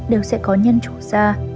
đều sẽ có nhân chủ ra